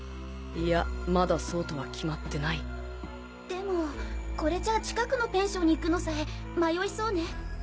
いやまだそうとは決まってないでもこれじゃあ近くのペンションに行くのさえ迷いそうね。